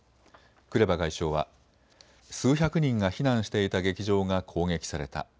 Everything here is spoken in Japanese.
クレバ外相は数百人が避難していた劇場が攻撃された。